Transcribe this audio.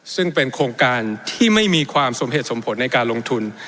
ซึ่งเป็นโครงการที่ไม่มีความสมเหตุสมผลในการลงทุน